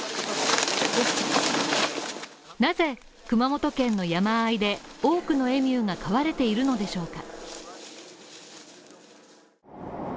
なぜ、熊本県の山間で、多くのエミューが飼われているのでしょうか？